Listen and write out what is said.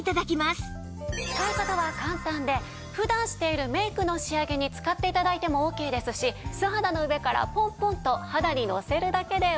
使い方は簡単で普段しているメイクの仕上げに使って頂いてもオーケーですし素肌の上からポンポンと肌にのせるだけでオーケーです。